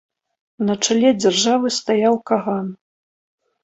На чале дзяржавы стаяў каган.